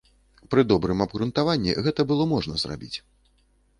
Пры добрым абгрунтаванні гэта было можна зрабіць.